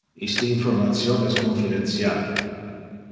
Iste information es confidential.